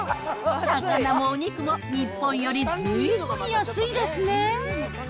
魚もお肉も日本よりずいぶん安いですね。